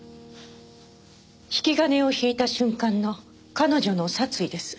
引き金を引いた瞬間の彼女の殺意です。